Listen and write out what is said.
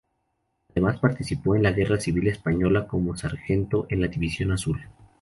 Además participó en la guerra civil española como sargento en la División Azul.